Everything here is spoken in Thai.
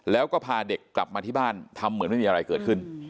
แล้วก็พาเด็กกลับมาที่บ้านทำเหมือนไม่มีอะไรเกิดขึ้น